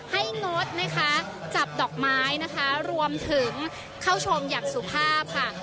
งดนะคะจับดอกไม้นะคะรวมถึงเข้าชมอย่างสุภาพค่ะ